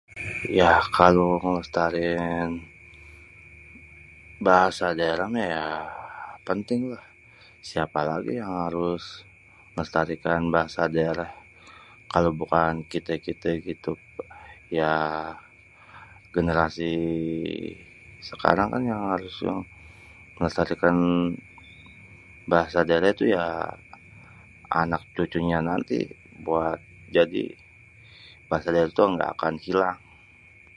Ya kalo ngelestariin, bahasa daerah meh ya penting lah siapa lagi yang harus, ngelestarikan bahasa daerah kalo bukan kité-kité gitu. Ya generasi sekarang kan yang harus itu ngelestarikan bahasa daerah tu ya, anak cucunya nanti buat jadi, bahasa daerah tuh ga akan ilang.